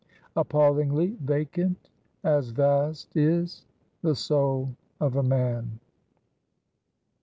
appallingly vacant as vast is the soul of a man!